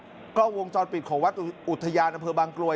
ก็กลุ่มวงจอดปิดของวัดอุทยานอบังกลวย